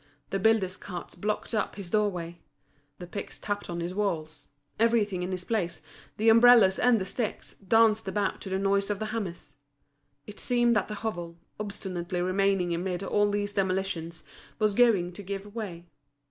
The builder's carts blocked up his doorway; the picks tapped on his walls; everything in his place, the umbrellas and the sticks, danced about to the noise of the hammers. It seemed that the hovel, obstinately remaining amid all these demolitions, was going to give way.